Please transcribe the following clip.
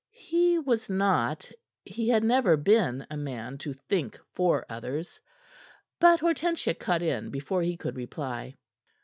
He was not he had never been a man to think for others. But Hortensia cut in before he could reply.